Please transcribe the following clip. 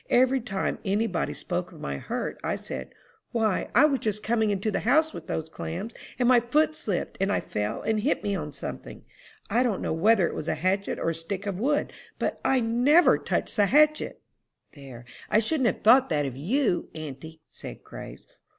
Every time any body spoke of my hurt, I said, 'Why, I was just coming into the house with those clams, and my foot slipped, and I fell and hit me on something. I don't know whether it was a hatchet or a stick of wood; but I never touched the hatchet!'" "There, I shouldn't have thought that of you, auntie," said Grace.